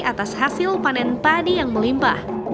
atas hasil panen padi yang melimpah